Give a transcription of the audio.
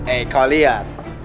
eh kau lihat